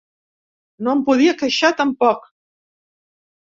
No em podia queixar, tampoc.